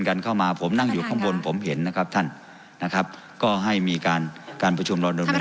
กันเข้ามาผมนั่งอยู่ข้างบนผมเห็นนะครับท่านนะครับก็ให้มีการการประชุมเราดำเนิน